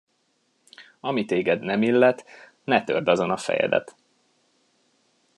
Ami téged nem illet, ne törd azon a fejedet.